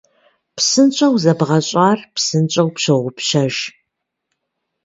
Псынщӏэу зэбгъащӏэр псынщӏэу пщогъупщэж.